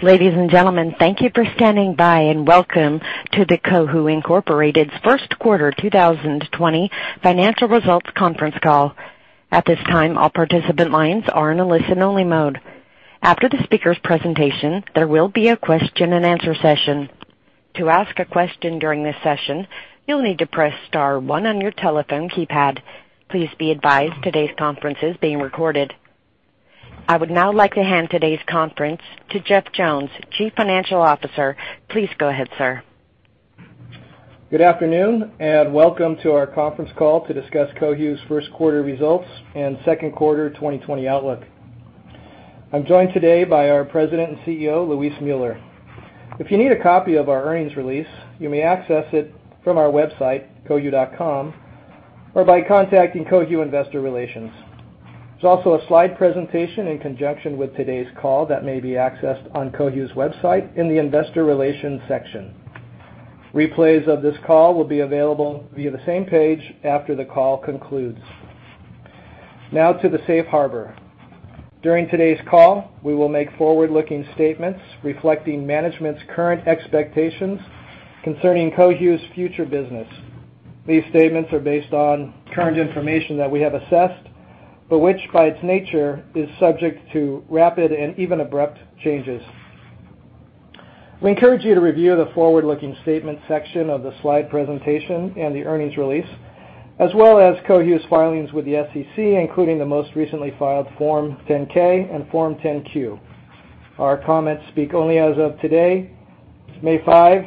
Ladies and gentlemen, thank you for standing by, and welcome to the Cohu Incorporated's first quarter 2020 financial results conference call. At this time, all participant lines are in a listen-only mode. After the speaker's presentation, there will be a question-and-answer session. To ask a question during this session, you'll need to press star one on your telephone keypad. Please be advised today's conference is being recorded. I would now like to hand today's conference to Jeff Jones, Chief Financial Officer. Please go ahead, sir. Good afternoon, and welcome to our conference call to discuss Cohu's first quarter results and second quarter 2020 outlook. I'm joined today by our President and CEO, Luis Müller. If you need a copy of our earnings release, you may access it from our website, cohu.com, or by contacting Cohu Investor Relations. There's also a slide presentation in conjunction with today's call that may be accessed on Cohu's website in the Investor Relations section. Replays of this call will be available via the same page after the call concludes. Now to the safe harbor. During today's call, we will make forward-looking statements reflecting management's current expectations concerning Cohu's future business. These statements are based on current information that we have assessed, but which by its nature is subject to rapid and even abrupt changes. We encourage you to review the forward-looking statement section of the slide presentation and the earnings release, as well as Cohu's filings with the SEC, including the most recently filed Form 10-K and Form 10-Q. Our comments speak only as of today, May 5,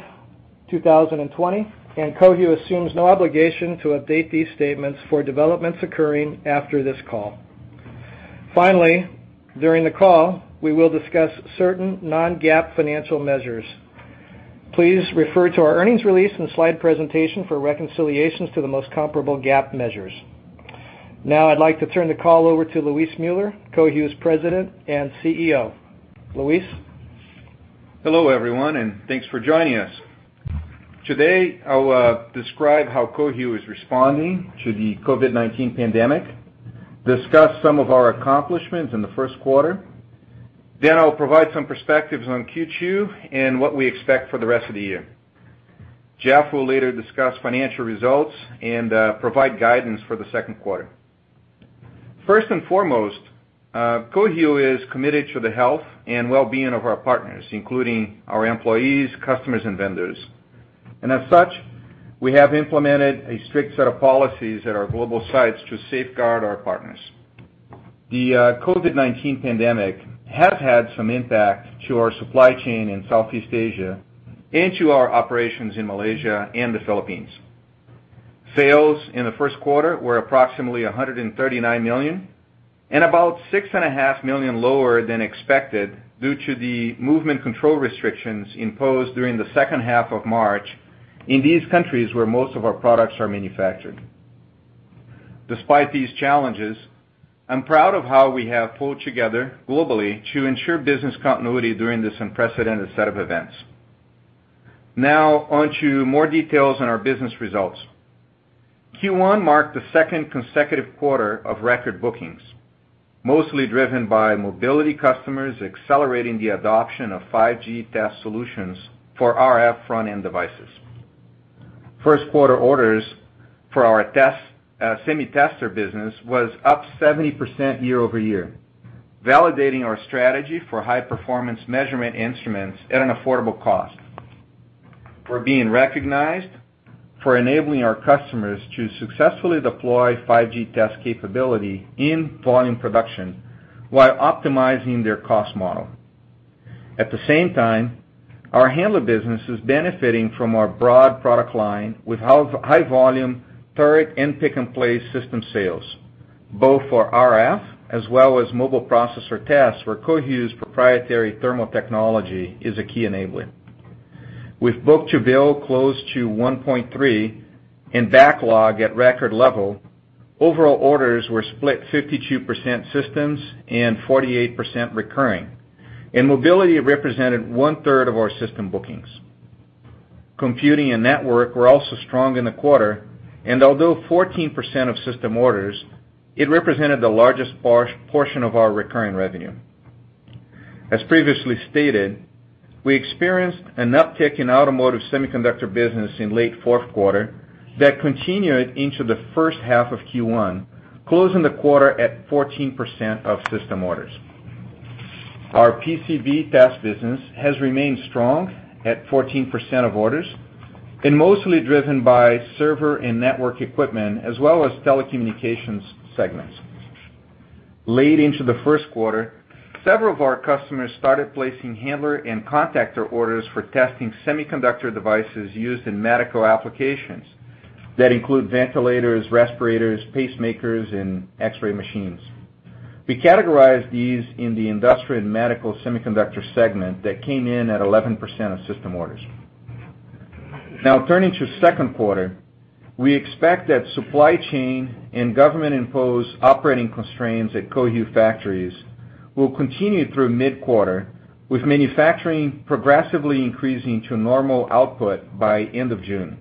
2020, and Cohu assumes no obligation to update these statements for developments occurring after this call. Finally, during the call, we will discuss certain non-GAAP financial measures. Please refer to our earnings release and slide presentation for reconciliations to the most comparable GAAP measures. Now I'd like to turn the call over to Luis Müller, Cohu's President and CEO. Luis? Hello, everyone. Thanks for joining us. Today I'll describe how Cohu is responding to the COVID-19 pandemic, discuss some of our accomplishments in the first quarter, then I'll provide some perspectives on Q2 and what we expect for the rest of the year. Jeff will later discuss financial results and provide guidance for the second quarter. First and foremost, Cohu is committed to the health and wellbeing of our partners, including our employees, customers, and vendors. As such, we have implemented a strict set of policies at our global sites to safeguard our partners. The COVID-19 pandemic has had some impact to our supply chain in Southeast Asia and to our operations in Malaysia and the Philippines. Sales in the first quarter were approximately $139 million and about $6.5 million lower than expected due to the movement control restrictions imposed during the second half of March in these countries where most of our products are manufactured. Despite these challenges, I'm proud of how we have pulled together globally to ensure business continuity during this unprecedented set of events. Now on to more details on our business results. Q1 marked the second consecutive quarter of record bookings, mostly driven by mobility customers accelerating the adoption of 5G test solutions for RF front-end devices. First quarter orders for our semi tester business was up 70% year-over-year, validating our strategy for high performance measurement instruments at an affordable cost. We're being recognized for enabling our customers to successfully deploy 5G test capability in volume production while optimizing their cost model. At the same time, our handler business is benefiting from our broad product line with high volume turret and pick-and-place system sales, both for RF as well as mobile processor tests where Cohu's proprietary thermal technology is a key enabler. With book-to-bill close to 1.3 and backlog at record level, overall orders were split 52% systems and 48% recurring, and mobility represented 1/3 of our system bookings. Computing and network were also strong in the quarter, and although 14% of system orders, it represented the largest portion of our recurring revenue. As previously stated, we experienced an uptick in automotive semiconductor business in late fourth quarter that continued into the first half of Q1, closing the quarter at 14% of system orders. Our PCB test business has remained strong at 14% of orders and mostly driven by server and network equipment as well as telecommunications segments. Late into the first quarter, several of our customers started placing handler and contactor orders for testing semiconductor devices used in medical applications that include ventilators, respirators, pacemakers, and X-ray machines. We categorize these in the industrial and medical semiconductor segment that came in at 11% of system orders. Now turning to second quarter, we expect that supply chain and government-imposed operating constraints at Cohu factories will continue through mid-quarter, with manufacturing progressively increasing to normal output by end of June.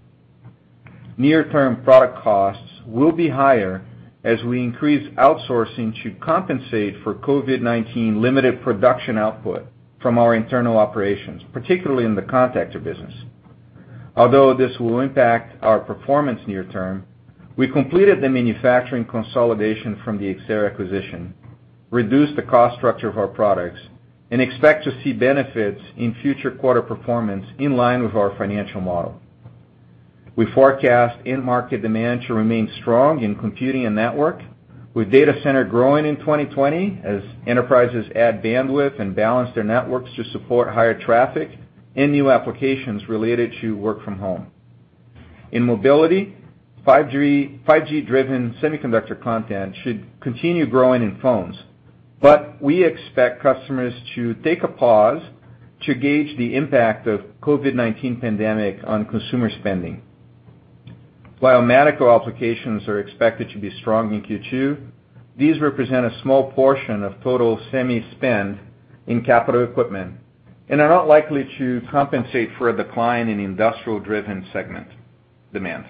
Near-term product costs will be higher as we increase outsourcing to compensate for COVID-19 limited production output from our internal operations, particularly in the contactor business. Although this will impact our performance near term, we completed the manufacturing consolidation from the Xcerra acquisition, reduced the cost structure of our products, and expect to see benefits in future quarter performance in line with our financial model. We forecast end market demand to remain strong in computing and network, with data center growing in 2020 as enterprises add bandwidth and balance their networks to support higher traffic and new applications related to work from home. In mobility, 5G-driven semiconductor content should continue growing in phones, but we expect customers to take a pause to gauge the impact of COVID-19 pandemic on consumer spending. While medical applications are expected to be strong in Q2, these represent a small portion of total semi spend in capital equipment and are not likely to compensate for a decline in industrial-driven segment demand.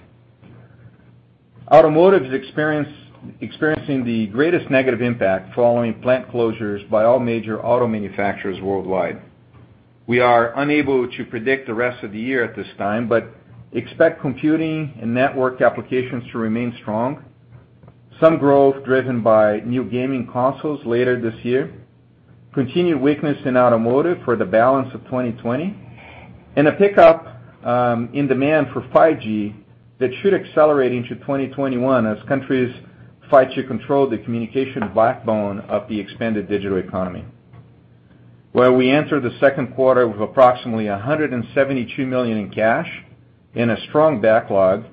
Automotive is experiencing the greatest negative impact following plant closures by all major auto manufacturers worldwide. We are unable to predict the rest of the year at this time, but expect computing and network applications to remain strong, some growth driven by new gaming consoles later this year, continued weakness in automotive for the balance of 2020, and a pickup in demand for 5G that should accelerate into 2021 as countries fight to control the communication backbone of the expanded digital economy. While we enter the second quarter with approximately $172 million in cash and a strong backlog,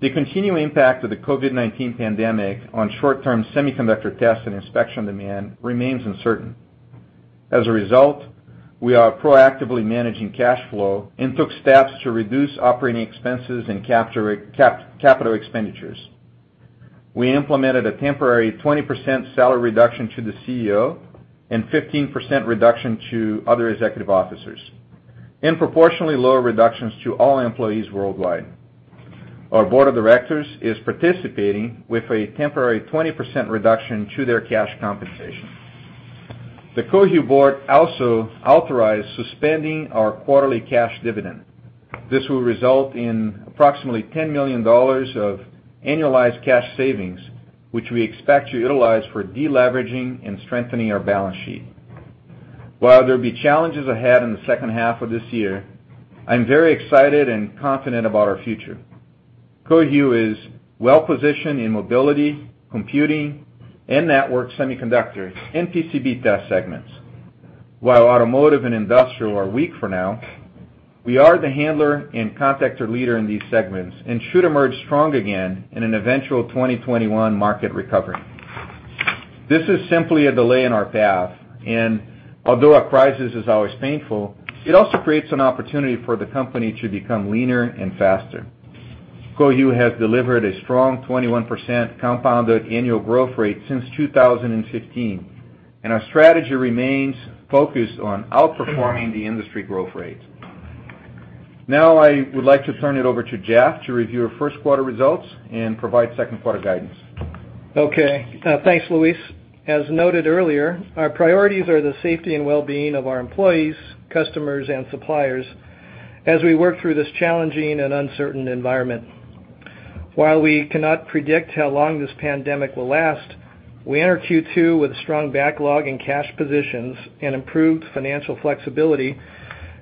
the continuing impact of the COVID-19 pandemic on short-term semiconductor test and inspection demand remains uncertain. As a result, we are proactively managing cash flow and took steps to reduce operating expenses and capital expenditures. We implemented a temporary 20% salary reduction to the CEO and 15% reduction to other executive officers, and proportionally lower reductions to all employees worldwide. Our board of directors is participating with a temporary 20% reduction to their cash compensation. The Cohu board also authorized suspending our quarterly cash dividend. This will result in approximately $10 million of annualized cash savings, which we expect to utilize for deleveraging and strengthening our balance sheet. While there will be challenges ahead in the second half of this year, I'm very excited and confident about our future. Cohu is well-positioned in mobility, computing, and network semiconductors and PCB test segments. While automotive and industrial are weak for now, we are the handler and contactor leader in these segments and should emerge strong again in an eventual 2021 market recovery. This is simply a delay in our path, and although a crisis is always painful, it also creates an opportunity for the company to become leaner and faster. Cohu has delivered a strong 21% compounded annual growth rate since 2015. Our strategy remains focused on outperforming the industry growth rate. I would like to turn it over to Jeff to review our first quarter results and provide second quarter guidance. Okay. Thanks, Luis. As noted earlier, our priorities are the safety and wellbeing of our employees, customers, and suppliers as we work through this challenging and uncertain environment. While we cannot predict how long this pandemic will last, we enter Q2 with strong backlog and cash positions and improved financial flexibility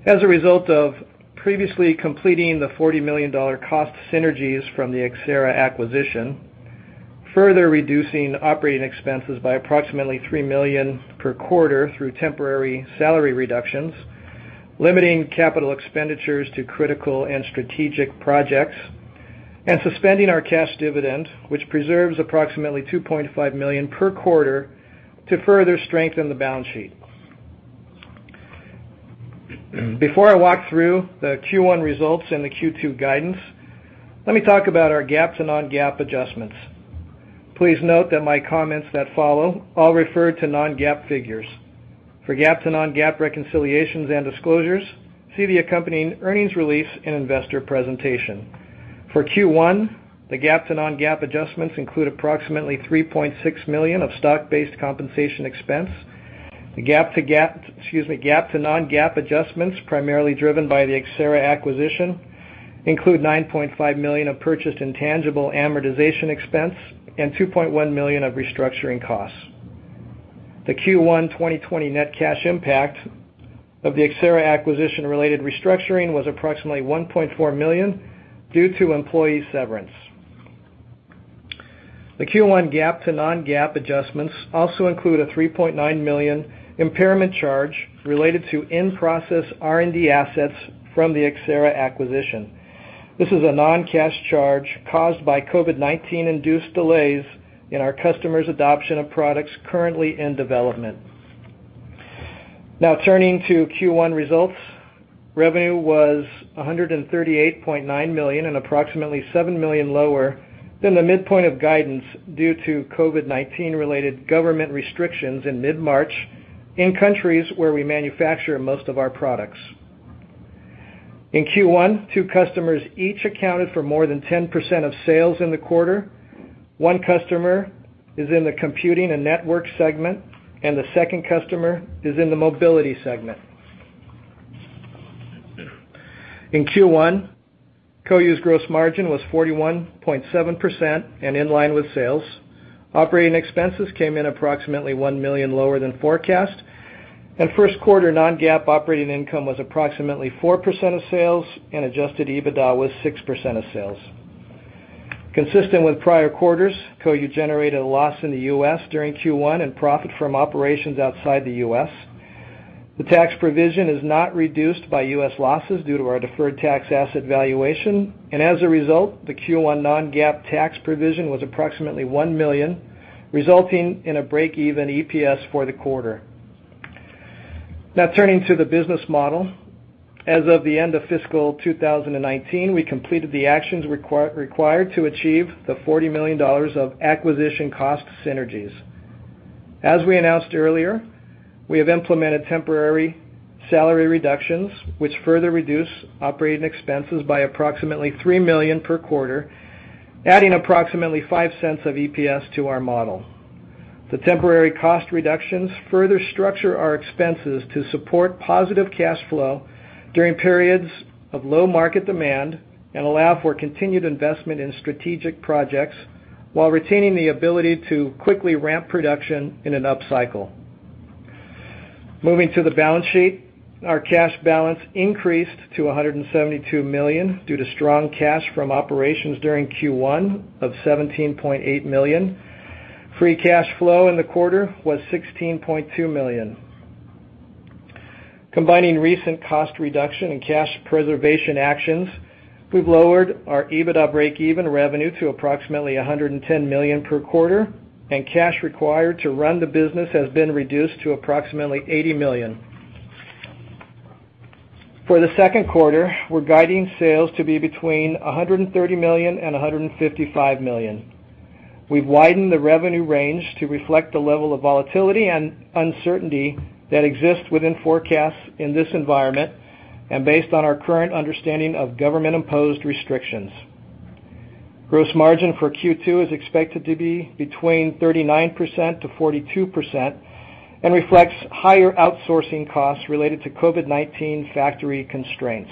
as a result of previously completing the $40 million cost synergies from the Xcerra acquisition, further reducing operating expenses by approximately $3 million per quarter through temporary salary reductions, limiting capital expenditures to critical and strategic projects, and suspending our cash dividend, which preserves approximately $2.5 million per quarter to further strengthen the balance sheet. Before I walk through the Q1 results and the Q2 guidance, let me talk about our GAAP to non-GAAP adjustments. Please note that my comments that follow all refer to non-GAAP figures. For GAAP to non-GAAP reconciliations and disclosures, see the accompanying earnings release and investor presentation. For Q1, the GAAP to non-GAAP adjustments include approximately $3.6 million of stock-based compensation expense. The GAAP to non-GAAP adjustments, primarily driven by the Xcerra acquisition, include $9.5 million of purchased intangible amortization expense and $2.1 million of restructuring costs. The Q1 2020 net cash impact of the Xcerra acquisition-related restructuring was approximately $1.4 million due to employee severance. The Q1 GAAP to non-GAAP adjustments also include a $3.9 million impairment charge related to in-process R&D assets from the Xcerra acquisition. This is a non-cash charge caused by COVID-19-induced delays in our customers' adoption of products currently in development. Now, turning to Q1 results. Revenue was $138.9 million and approximately $7 million lower than the midpoint of guidance due to COVID-19-related government restrictions in mid-March in countries where we manufacture most of our products. In Q1, two customers each accounted for more than 10% of sales in the quarter. One customer is in the computing and network segment, and the second customer is in the mobility segment. In Q1, Cohu's gross margin was 41.7% and in line with sales. Operating expenses came in approximately $1 million lower than forecast. First quarter non-GAAP operating income was approximately 4% of sales and adjusted EBITDA was 6% of sales. Consistent with prior quarters, Cohu generated a loss in the U.S. during Q1 and profit from operations outside the U.S. The tax provision is not reduced by U.S. losses due to our deferred tax asset valuation. As a result, the Q1 non-GAAP tax provision was approximately $1 million, resulting in a break-even EPS for the quarter. Now, turning to the business model. As of the end of fiscal 2019, we completed the actions required to achieve the $40 million of acquisition cost synergies. As we announced earlier, we have implemented temporary salary reductions, which further reduce operating expenses by approximately $3 million per quarter, adding approximately $0.05 of EPS to our model. The temporary cost reductions further structure our expenses to support positive cash flow during periods of low market demand and allow for continued investment in strategic projects while retaining the ability to quickly ramp production in an up cycle. Moving to the balance sheet. Our cash balance increased to $172 million due to strong cash from operations during Q1 of $17.8 million. Free cash flow in the quarter was $16.2 million. Combining recent cost reduction and cash preservation actions, we've lowered our EBITDA break-even revenue to approximately $110 million per quarter, and cash required to run the business has been reduced to approximately $80 million. For the second quarter, we're guiding sales to be between $130 million and $155 million. We've widened the revenue range to reflect the level of volatility and uncertainty that exists within forecasts in this environment and based on our current understanding of government-imposed restrictions. Gross margin for Q2 is expected to be between 39%-42% and reflects higher outsourcing costs related to COVID-19 factory constraints.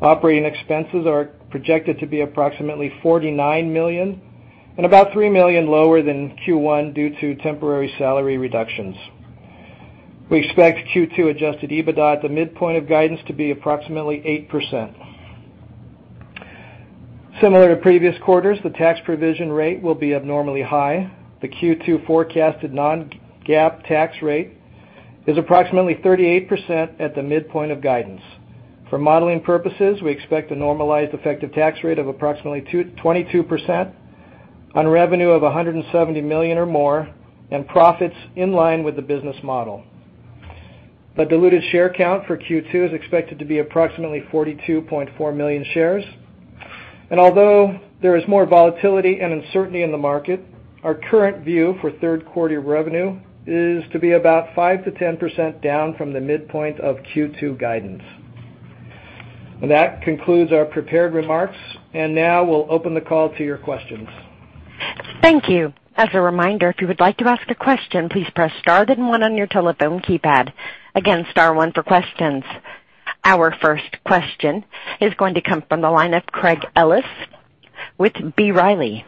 Operating expenses are projected to be approximately $49 million and about $3 million lower than Q1 due to temporary salary reductions. We expect Q2 adjusted EBITDA at the midpoint of guidance to be approximately 8%. Similar to previous quarters, the tax provision rate will be abnormally high. The Q2 forecasted non-GAAP tax rate is approximately 38% at the midpoint of guidance. For modeling purposes, we expect a normalized effective tax rate of approximately 22% on revenue of $170 million or more and profits in line with the business model. The diluted share count for Q2 is expected to be approximately 42.4 million shares. Although there is more volatility and uncertainty in the market, our current view for third quarter revenue is to be about 5%-10% down from the midpoint of Q2 guidance. That concludes our prepared remarks. Now we'll open the call to your questions. Thank you. As a reminder, if you would like to ask a question, please press star then one on your telephone keypad. Again star one for questions. Our first question is going to come from the line of Craig Ellis with B. Riley.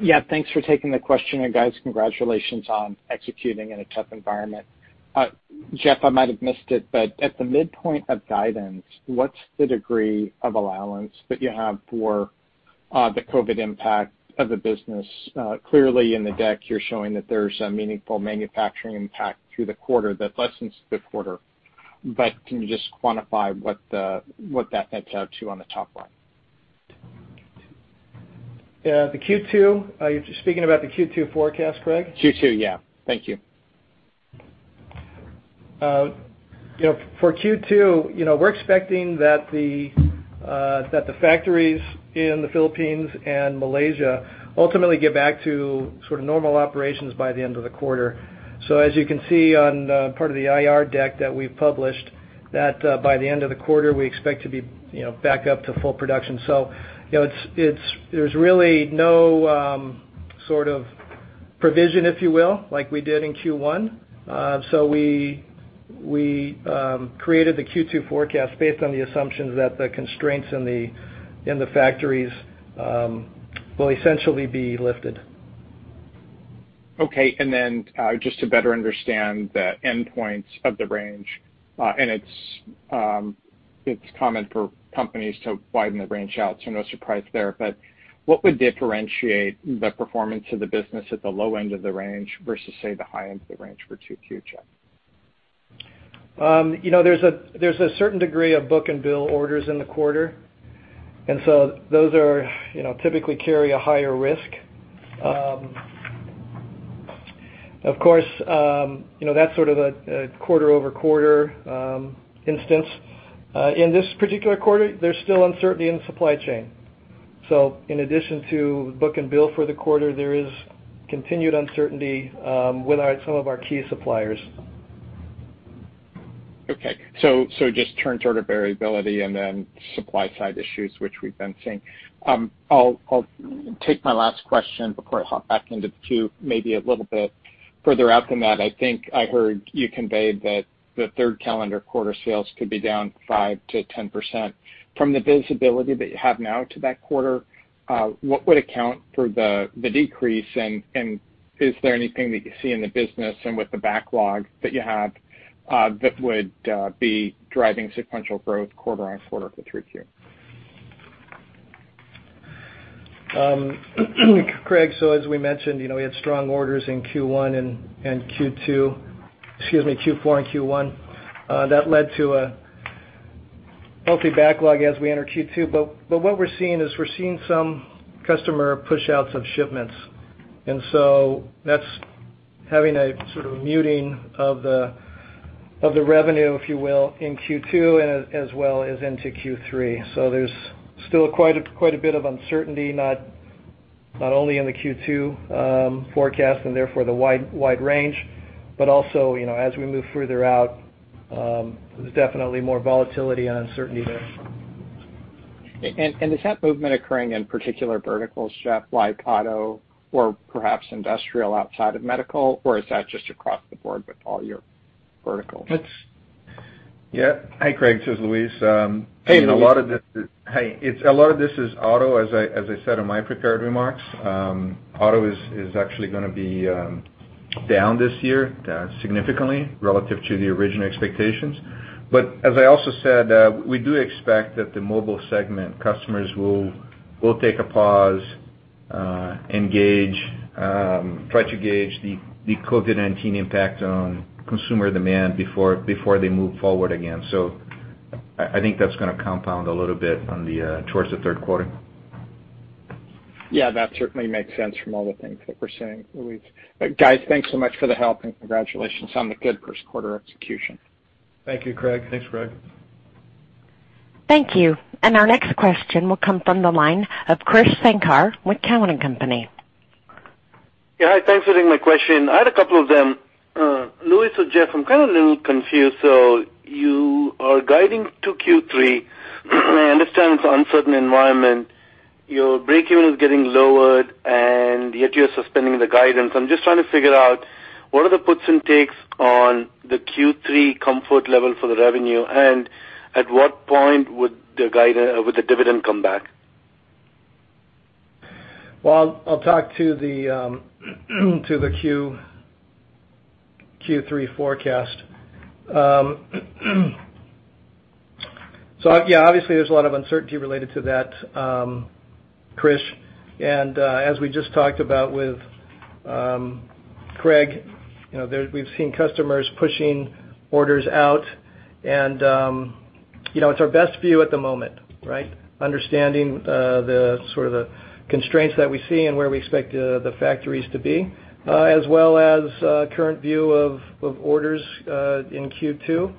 Yeah, thanks for taking the question, and guys, congratulations on executing in a tough environment. Jeff, I might have missed it, but at the midpoint of guidance, what's the degree of allowance that you have for the COVID impact of the business? Clearly, in the deck, you're showing that there's a meaningful manufacturing impact through the quarter that lessens the quarter. Can you just quantify what that nets out to on the top line? Yeah. The Q2, you're speaking about the Q2 forecast, Craig? Q2, yeah. Thank you. For Q2, we're expecting that the factories in the Philippines and Malaysia ultimately get back to sort of normal operations by the end of the quarter. As you can see on part of the IR deck that we've published, that by the end of the quarter, we expect to be back up to full production. There's really no sort of provision, if you will, like we did in Q1. We created the Q2 forecast based on the assumptions that the constraints in the factories will essentially be lifted. Okay. Just to better understand the endpoints of the range, and it's common for companies to widen the range out, so no surprise there. What would differentiate the performance of the business at the low end of the range versus, say, the high end of the range for 2Q, Jeff? There's a certain degree of book-to-bill orders in the quarter, those typically carry a higher risk. Of course, that's sort of a quarter-over-quarter instance. In this particular quarter, there's still uncertainty in the supply chain. In addition to book-to-bill for the quarter, there is continued uncertainty with some of our key suppliers. Okay. Just turn sort of variability and then supply side issues, which we've been seeing. I'll take my last question before I hop back into two, maybe a little bit further out than that. I think I heard you conveyed that the third calendar quarter sales could be down 5%-10%. From the visibility that you have now to that quarter, what would account for the decrease? Is there anything that you see in the business and with the backlog that you have, that would be driving sequential growth quarter-on-quarter for 3Q? Craig, as we mentioned, we had strong orders in Q1 and Q2, excuse me, Q4 and Q1. That led to a healthy backlog as we enter Q2. What we're seeing is, we're seeing some customer push outs of shipments, and so that's having a sort of muting of the revenue, if you will, in Q2 as well as into Q3. There's still quite a bit of uncertainty, not only in the Q2 forecast, and therefore the wide range, but also, as we move further out, there's definitely more volatility and uncertainty there. Is that movement occurring in particular verticals, Jeff, like auto or perhaps industrial outside of medical, or is that just across the board with all your verticals? It's- Yeah. Hi, Craig, this is Luis. Hey, Luis. Hey. A lot of this is auto, as I said in my prepared remarks. Auto is actually gonna be down this year, down significantly relative to the original expectations. As I also said, we do expect that the mobile segment customers will take a pause, try to gauge the COVID-19 impact on consumer demand before they move forward again. I think that's gonna compound a little bit towards the third quarter. Yeah, that certainly makes sense from all the things that we're seeing, Luis. Guys, thanks so much for the help and congratulations on the good first quarter execution. Thank you, Craig. Thanks, Craig. Thank you. Our next question will come from the line of Krish Sankar with Cowen and Company. Yeah. Hi, thanks for taking my question. I had a couple of them. Luis or Jeff, I'm kind of a little confused. You are guiding to Q3. I understand it's uncertain environment. Your breakeven is getting lowered, and yet you're suspending the guidance. I'm just trying to figure out, what are the puts and takes on the Q3 comfort level for the revenue, and at what point would the dividend come back? I'll talk to the Q3 forecast. Yeah, obviously there's a lot of uncertainty related to that, Krish. As we just talked about with Craig, we've seen customers pushing orders out and it's our best view at the moment, right? Understanding the sort of the constraints that we see and where we expect the factories to be, as well as current view of orders in Q2,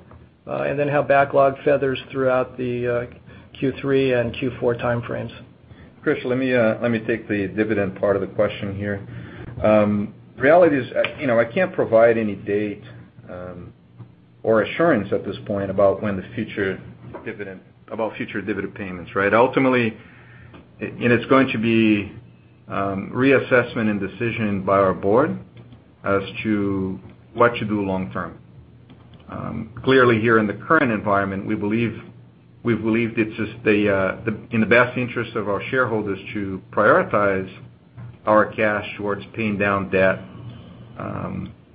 and then how backlog feathers throughout the Q3 and Q4 time frames. Krish, let me take the dividend part of the question here. Reality is, I can't provide any date, or assurance at this point about future dividend payments, right? Ultimately, it's going to be reassessment and decision by our board as to what to do long term. Clearly here in the current environment, we've believed it's just in the best interest of our shareholders to prioritize our cash towards paying down debt,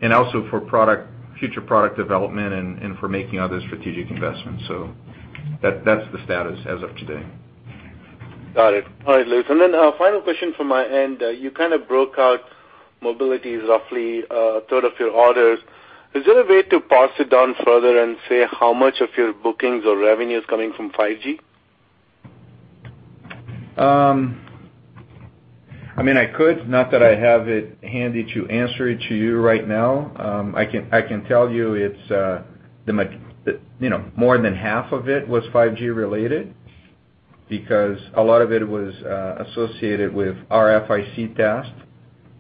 and also for future product development and for making other strategic investments. That's the status as of today. Got it. All right, Luis. Final question from my end. You kind of broke out mobility is roughly a third of your orders. Is there a way to parse it down further and say how much of your bookings or revenue is coming from 5G? I could, not that I have it handy to answer it to you right now. I can tell you more than half of it was 5G related, because a lot of it was associated with RFIC test,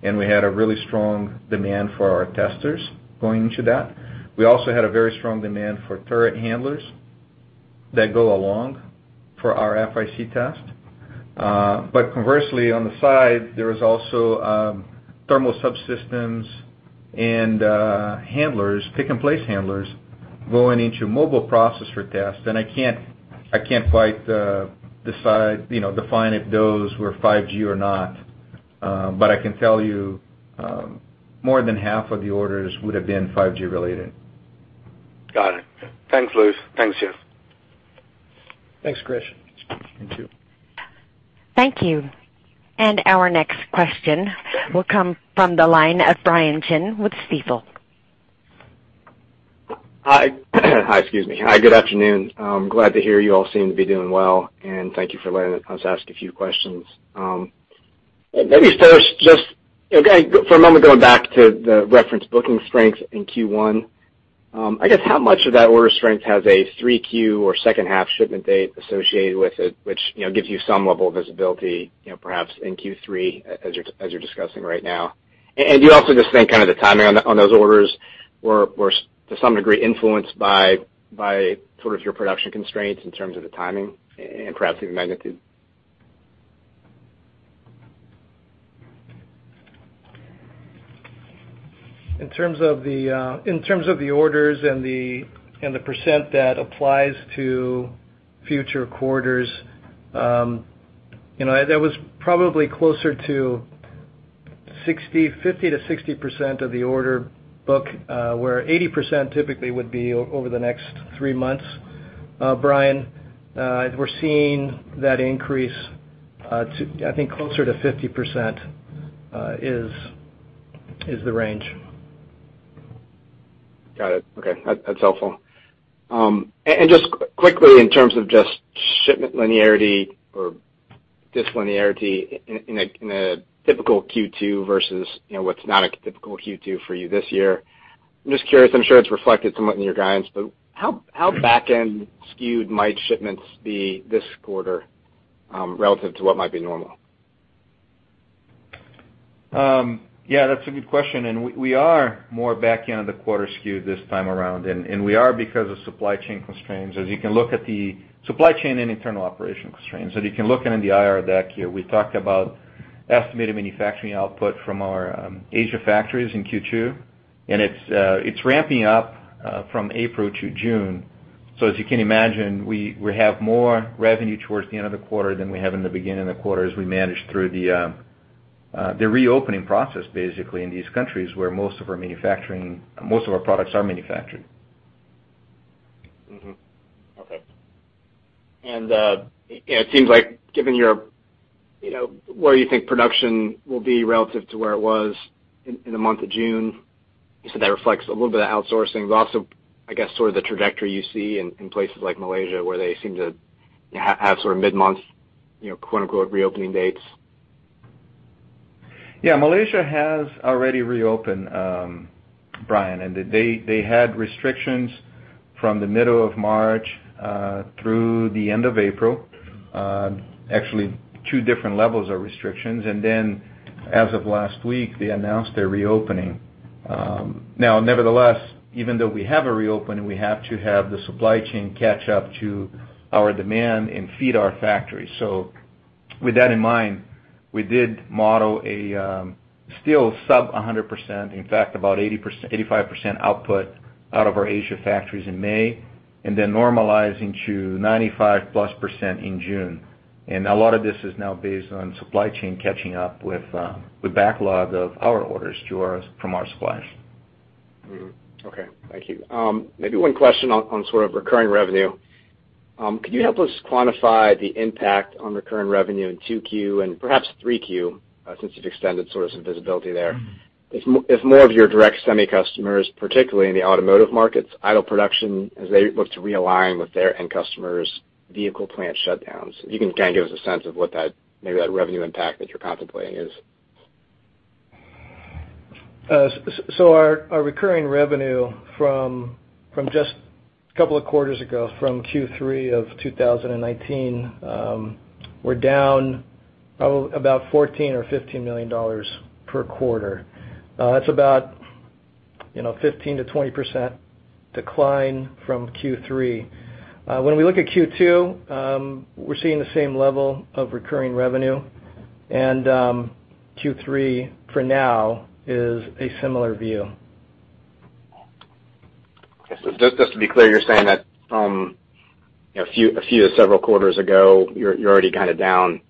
and we had a really strong demand for our testers going into that. We also had a very strong demand for turret handlers that go along for RFIC test. Conversely, on the side, there was also thermal subsystems and pick-and-place handlers going into mobile processor tests. I can't quite define if those were 5G or not. I can tell you, more than half of the orders would've been 5G related. Got it. Thanks, Luis. Thanks, Jeff. Thanks, Krish. Thank you. Thank you. Our next question will come from the line of Brian Chin with Stifel. Hi, excuse me. Good afternoon. I'm glad to hear you all seem to be doing well, and thank you for letting us ask a few questions. Maybe first, just for a moment, going back to the reference booking strength in Q1. I guess, how much of that order strength has a 3Q or second half shipment date associated with it, which gives you some level of visibility perhaps in Q3 as you're discussing right now? Do you also just think kind of the timing on those orders were to some degree influenced by sort of your production constraints in terms of the timing and perhaps even magnitude? In terms of the orders and the percent that applies to future quarters, that was probably closer to 50%-60% of the order book, where 80% typically would be over the next three months. Brian, we're seeing that increase to, I think, closer to 50% is the range. Got it. Okay. That's helpful. Just quickly, in terms of just shipment linearity or dislinearity in a typical Q2 versus what's not a typical Q2 for you this year, I'm just curious, I'm sure it's reflected somewhat in your guidance, but how back-end skewed might shipments be this quarter, relative to what might be normal? Yeah, that's a good question. We are more back-end of the quarter skewed this time around, and we are because of supply chain constraints. As you can look at the supply chain and internal operation constraints, and you can look in the IR deck here, we talked about estimated manufacturing output from our Asia factories in Q2, and it's ramping up from April to June. As you can imagine, we have more revenue towards the end of the quarter than we have in the beginning of the quarter as we manage through the reopening process, basically, in these countries where most of our products are manufactured. Mm-hmm. Okay. It seems like given where you think production will be relative to where it was in the month of June, you said that reflects a little bit of outsourcing, but also, I guess, sort of the trajectory you see in places like Malaysia where they seem to have sort of mid-month, quote-unquote, "reopening dates. Yeah, Malaysia has already reopened, Brian, and they had restrictions from the middle of March through the end of April. Actually, two different levels of restrictions. As of last week, they announced they're reopening. Now, nevertheless, even though we have a reopening, we have to have the supply chain catch up to our demand and feed our factory. With that in mind, we did model a still sub 100%, in fact, about 85% output out of our Asia factories in May, and then normalizing to 95%+ in June. A lot of this is now based on supply chain catching up with backlog of our orders from our suppliers. Okay. Thank you. Maybe one question on sort of recurring revenue. Could you help us quantify the impact on recurring revenue in 2Q and perhaps 3Q, since you've extended sort of some visibility there? If more of your direct semi customers, particularly in the automotive markets, idle production as they look to realign with their end customers, vehicle plant shutdowns. If you can kind of give us a sense of what that, maybe that revenue impact that you're contemplating is. Our recurring revenue from just a couple of quarters ago, from Q3 of 2019, we're down about $14 million or $15 million per quarter. That's about 15%-20% decline from Q3. When we look at Q2, we're seeing the same level of recurring revenue, and Q3, for now, is a similar view. Just to be clear, you're saying that a few to several quarters ago, you're already kind of down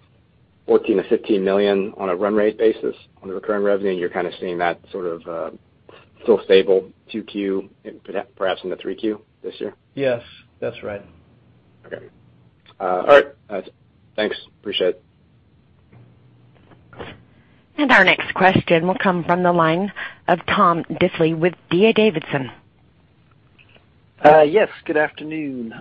$14 million-$15 million on a run rate basis on the recurring revenue, and you're kind of seeing that sort of still stable 2Q and perhaps into 3Q this year? Yes, that's right. Okay. All right. Thanks. Appreciate it. Our next question will come from the line of Tom Diffely with D.A. Davidson. Yes. Good afternoon.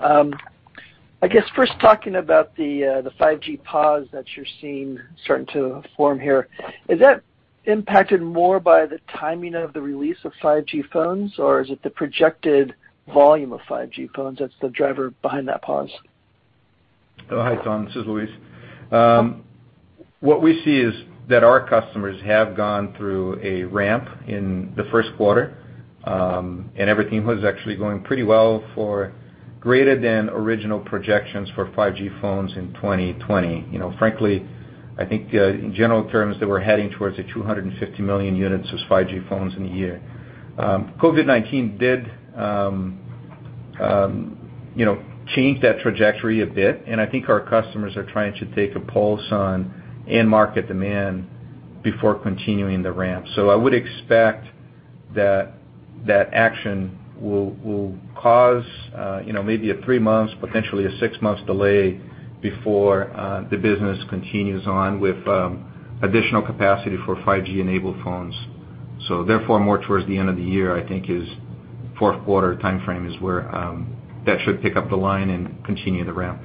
I guess first talking about the 5G pause that you're seeing starting to form here, is that impacted more by the timing of the release of 5G phones, or is it the projected volume of 5G phones that's the driver behind that pause? Oh, hi, Tom. This is Luis. What we see is that our customers have gone through a ramp in the first quarter, and everything was actually going pretty well for greater than original projections for 5G phones in 2020. Frankly, I think in general terms, they were heading towards a 250 million units of 5G phones in a year. COVID-19 did change that trajectory a bit, and I think our customers are trying to take a pulse on end market demand before continuing the ramp. I would expect that that action will cause maybe a 3 months, potentially a 6 months delay before the business continues on with additional capacity for 5G-enabled phones. Therefore, more towards the end of the year, I think is Fourth quarter timeframe is where that should pick up the line and continue the ramp.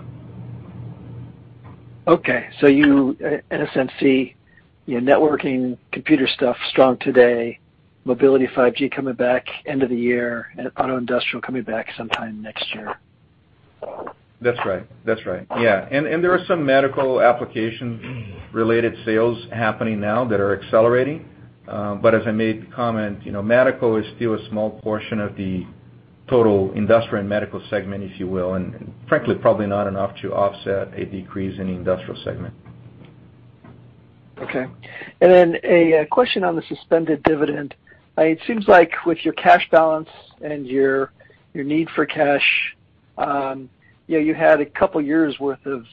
Okay, you, in a sense, see your networking computer stuff strong today, mobility 5G coming back end of the year, and auto industrial coming back sometime next year. That's right. Yeah. There are some medical application-related sales happening now that are accelerating. As I made the comment, medical is still a small portion of the total Industrial and Medical segment, if you will. Frankly, probably not enough to offset a decrease in the industrial segment. Okay. A question on the suspended dividend. It seems like with your cash balance and your need for cash, you had a couple years worth of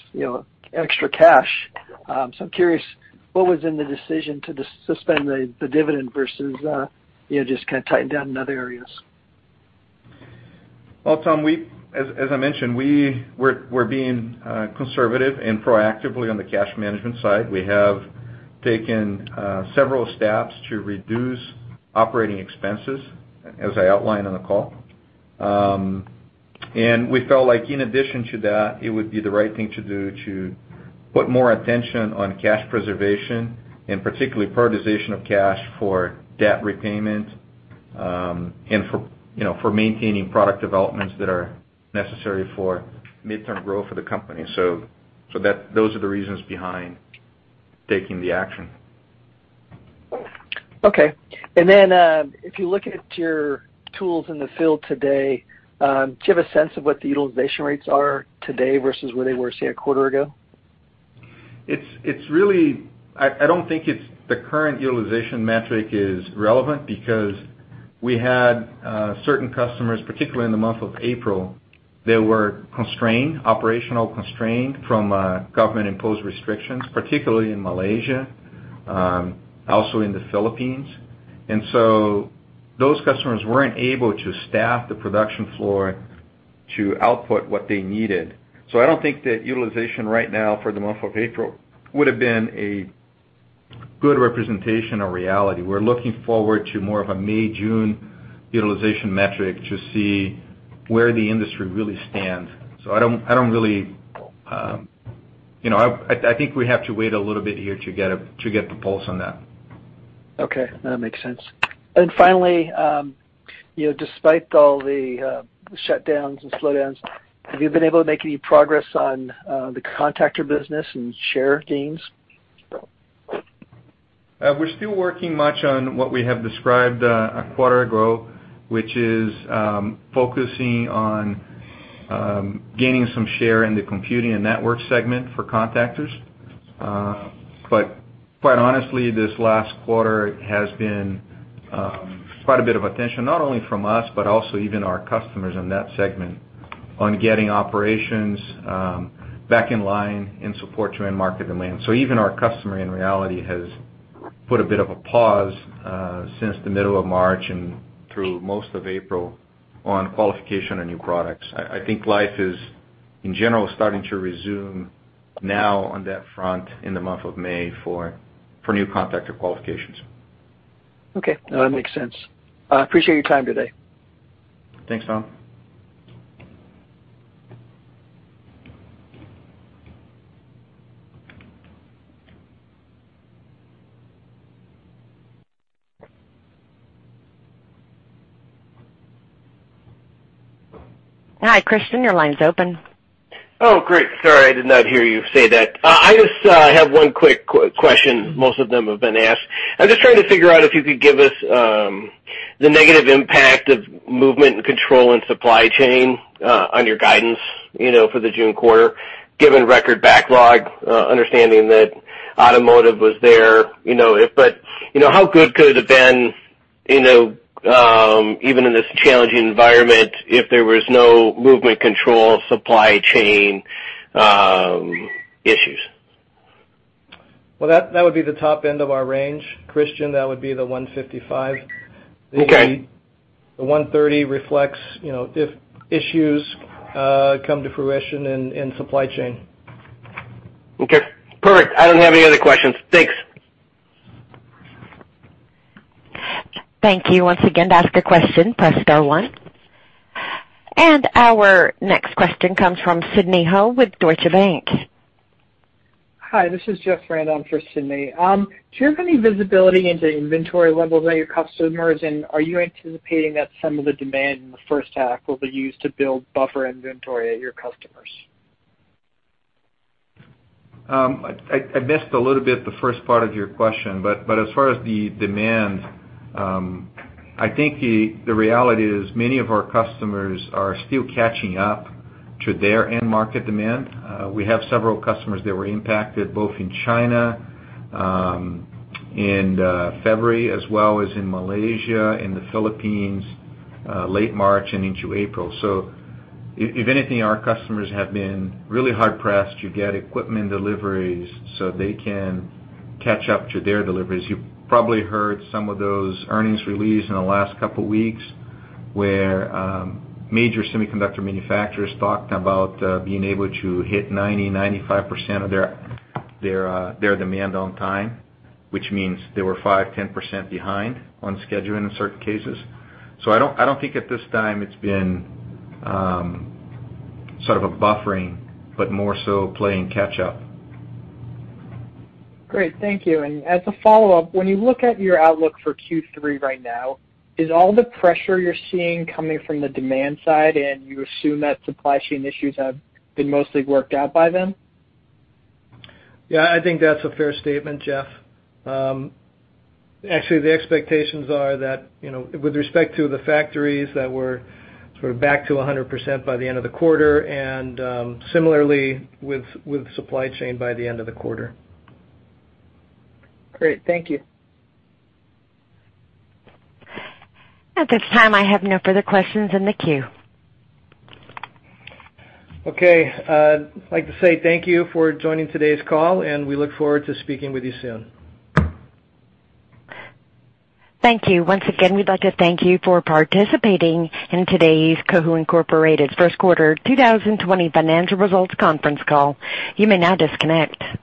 extra cash. I'm curious, what was in the decision to suspend the dividend versus just tightening down in other areas? Well, Tom, as I mentioned, we're being conservative and proactively on the cash management side. We have taken several steps to reduce operating expenses, as I outlined on the call. We felt like in addition to that, it would be the right thing to do to put more attention on cash preservation and particularly prioritization of cash for debt repayment, and for maintaining product developments that are necessary for midterm growth of the company. Those are the reasons behind taking the action. Okay. If you look at your tools in the field today, do you have a sense of what the utilization rates are today versus where they were, say, a quarter ago? I don't think the current utilization metric is relevant because we had certain customers, particularly in the month of April, they were constrained, operational constrained, from government-imposed restrictions, particularly in Malaysia, also in the Philippines. Those customers weren't able to staff the production floor to output what they needed. I don't think that utilization right now for the month of April would have been a good representation of reality. We're looking forward to more of a May, June utilization metric to see where the industry really stands. I think we have to wait a little bit here to get the pulse on that. Okay. That makes sense. Finally, despite all the shutdowns and slowdowns, have you been able to make any progress on the contactor business and share gains? We're still working much on what we have described a quarter ago, which is focusing on gaining some share in the computing and network segment for contactors. Quite honestly, this last quarter has been quite a bit of attention, not only from us, but also even our customers in that segment on getting operations back in line in support to end market demand. Even our customer, in reality, has put a bit of a pause since the middle of March and through most of April on qualification of new products. I think life is, in general, starting to resume now on that front in the month of May for new contactor qualifications. Okay. No, that makes sense. I appreciate your time today. Thanks, Tom. Hi, Christian. Your line's open. Oh, great. Sorry, I did not hear you say that. I just have one quick question. Most of them have been asked. I'm just trying to figure out if you could give us the negative impact of movement and control and supply chain on your guidance for the June quarter, given record backlog, understanding that automotive was there. How good could it have been, even in this challenging environment, if there was no movement control supply chain issues? Well, that would be the top end of our range, Christian. That would be the $155. Okay. The 130 reflects if issues come to fruition in supply chain. Okay, perfect. I don't have any other questions. Thanks. Thank you. Once again, to ask a question, press star one. Our next question comes from Sidney Ho with Deutsche Bank. Hi, this is Jeffrey Rand in for Sidney. Do you have any visibility into inventory levels at your customers, and are you anticipating that some of the demand in the first half will be used to build buffer inventory at your customers? I missed a little bit the first part of your question, but as far as the demand, I think the reality is many of our customers are still catching up to their end market demand. We have several customers that were impacted both in China in February as well as in Malaysia, in the Philippines, late March and into April. If anything, our customers have been really hard-pressed to get equipment deliveries so they can catch up to their deliveries. You probably heard some of those earnings release in the last couple of weeks, where major semiconductor manufacturers talked about being able to hit 90%-95% of their demand on time, which means they were 5%-10% behind on scheduling in certain cases. I don't think at this time it's been sort of a buffering, but more so playing catch up. Great. Thank you. As a follow-up, when you look at your outlook for Q3 right now, is all the pressure you're seeing coming from the demand side, and you assume that supply chain issues have been mostly worked out by then? Yeah, I think that's a fair statement, Jeff. Actually, the expectations are that with respect to the factories that we're sort of back to 100% by the end of the quarter, and similarly with supply chain by the end of the quarter. Great. Thank you. At this time, I have no further questions in the queue. Okay. I'd like to say thank you for joining today's call. We look forward to speaking with you soon. Thank you. Once again, we'd like to thank you for participating in today's Cohu Incorporated first quarter 2020 financial results conference call. You may now disconnect.